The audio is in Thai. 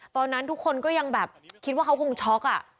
ตอนนั้นทุกคนก็ยังแบบคิดว่าเขาคงช็อก